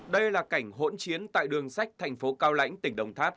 đây là cảnh hỗn chiến tại đường sách thành phố cao lãnh tỉnh đồng tháp